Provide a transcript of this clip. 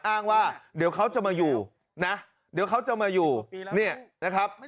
อ้างว่าเดี๋ยวเขาจะมาอยู่นะเดี๋ยวเขาจะมาอยู่เนี่ยนะครับ